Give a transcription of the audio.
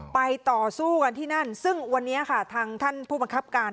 ไปต่อสู้กันที่นั่นซึ่งวันนี้ค่ะทางท่านผู้บังคับการ